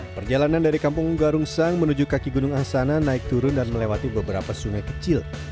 perjalanan dari kampung garungsang menuju kaki gunung angsana naik turun dan melewati beberapa sungai kecil